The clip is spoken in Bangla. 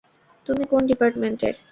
তুমি কোন ডিপার্টমেন্টের?